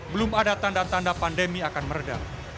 belum ada tanda tanda pandemi akan meredah